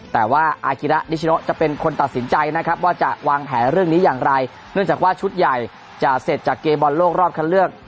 แต่ว่าอากิระนิชโนจะเป็นคนตัดสินใจนะครับว่าจะวางแผนเรื่องนี้อย่างไรเนื่องจากว่าชุดใหญ่จะเสร็จจากเกมบอลโลกรอบคันเลือก